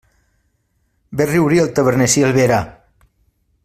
Bé riuria el taverner si el vera!